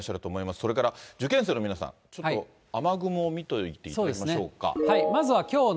それから受験生の皆さん、ちょっと雨雲を見ておいていきましょうか。